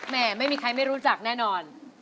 ไม่มีใครไม่รู้จักแน่นอน